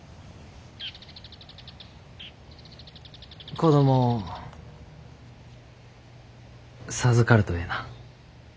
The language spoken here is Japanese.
子供授かるとええな。